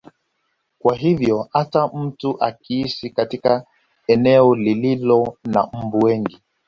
Kwa hivyo hata mtu akiishi katika eneo lililo na mbu wengi